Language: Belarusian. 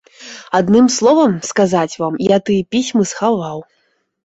Адным словам, сказаць вам, я тыя пісьмы схаваў.